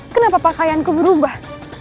kenapa pakaianku berubah